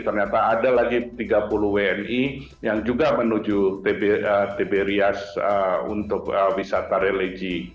ternyata ada lagi tiga puluh wni yang juga menuju tb rias untuk wisata religi